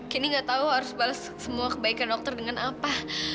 kini nggak tahu harus balas semua kebaikan dokter dengan apa